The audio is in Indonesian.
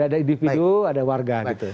ada individu ada warga